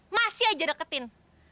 masih aja deketin